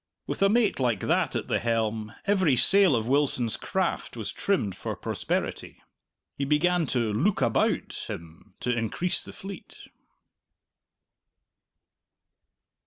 With a mate like that at the helm every sail of Wilson's craft was trimmed for prosperity. He began to "look about" him to increase the fleet.